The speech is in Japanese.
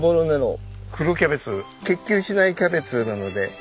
結球しないキャベツなので。